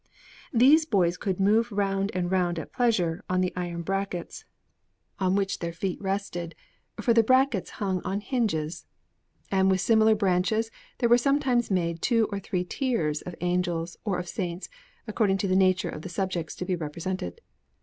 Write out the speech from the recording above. These boys could move round and round at pleasure on the iron brackets on which their feet rested, for the brackets hung on hinges. And with similar branches there were sometimes made two or three tiers of angels or of saints, according to the nature of the subjects to be represented.